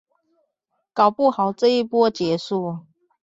搞不好這一波結束